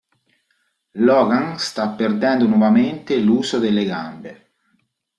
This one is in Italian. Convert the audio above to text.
Logan sta perdendo nuovamente l'uso delle gambe.